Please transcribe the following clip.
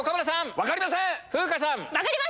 分かりません！